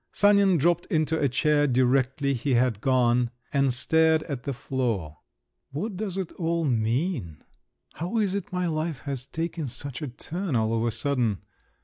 Sanin dropped into a chair directly he had gone, and stared at the floor. "What does it all mean? How is it my life has taken such a turn all of a sudden?